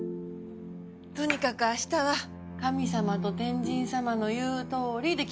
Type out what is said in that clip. とにかく明日は神様と天神様の言うとおりで決まるのね。